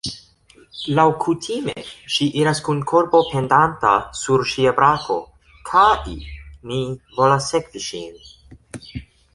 Laŭkutime ŝi iras kun korbo pendanta sur ŝia brako, kai ni volas sekvi ŝin.